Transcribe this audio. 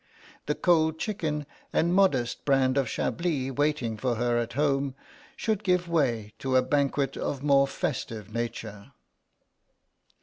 The cold chicken and modest brand of Chablis waiting for her at home should give way to a banquet of more festive nature.